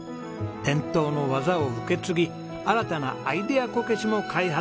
伝統の技を受け継ぎ新たなアイデアこけしも開発中！